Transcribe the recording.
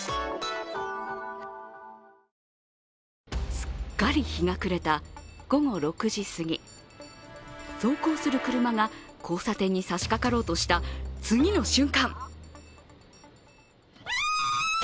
すっかり日が暮れた午後６時すぎ走行する車が交差点に差しかかろうとした次の瞬間